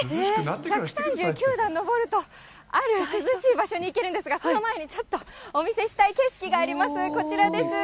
１３９段上るとある涼しい場所に行けるんですが、その前にちょっとお見せしたい景色があります、こちらです。